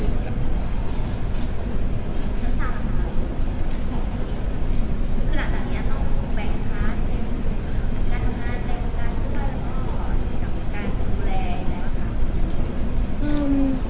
หรือว่าสามีจะต้องแบ่งคาดในการทำงานและการด้วยกับการดูแล